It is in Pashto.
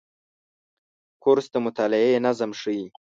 کورس د مطالعې نظم ښيي.